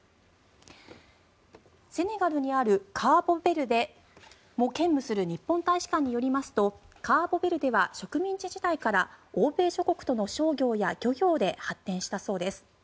セネガルにあるカボベルデも兼務する日本大使館によりますとカボベルデは植民地時代から欧米諸国との商業や漁業で発展したそうです。